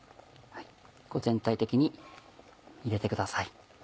全体的に入れてください。